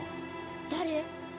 誰？